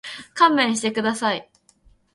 勘弁してください。